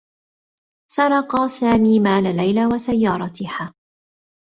سرق سامي مال ليلى و سيّارتها.